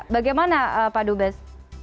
bagaimana pak dubes